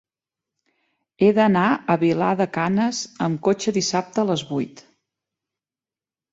He d'anar a Vilar de Canes amb cotxe dissabte a les vuit.